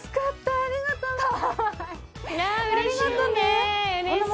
ありがとね。